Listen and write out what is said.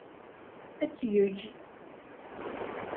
Ad tt-yeg.